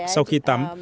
sau khi tắm